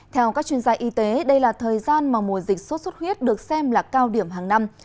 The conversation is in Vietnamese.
theo các chuyên gia y tế đây là thời gian mà mùa dịch sốt xuất huyết được xem là cao điểm hàng năm